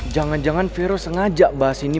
jangan jangan virus sengaja bahas ini